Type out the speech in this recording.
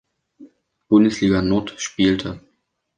Bundesliga Nord spielte.